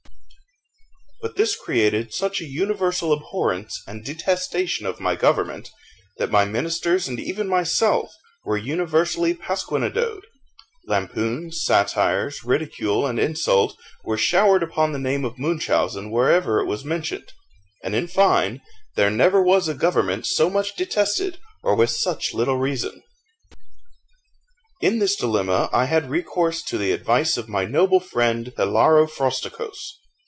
But this created such an universal abhorrence and detestation of my government, that my ministers, and even myself, were universally pasquinadoed; lampoons, satires, ridicule, and insult, were showered upon the name of Munchausen wherever it was mentioned; and in fine, there never was a government so much detested, or with such little reason. In this dilemma I had recourse to the advice of my noble friend Hilaro Frosticos.